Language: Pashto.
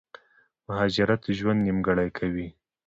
مهاجرت ژوند نيمګړی کوي